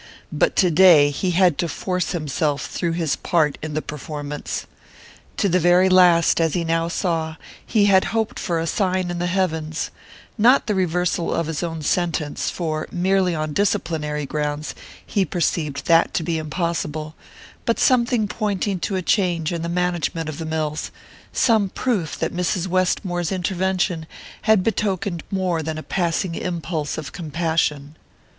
But today he had to force himself through his part in the performance. To the very last, as he now saw, he had hoped for a sign in the heavens: not the reversal of his own sentence for, merely on disciplinary grounds, he perceived that to be impossible but something pointing to a change in the management of the mills, some proof that Mrs. Westmore's intervention had betokened more than a passing impulse of compassion.